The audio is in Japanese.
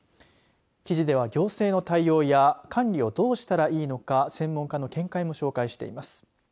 記事では行政の対応や管理をどうしたらいいのか専門家の見解も紹介しています。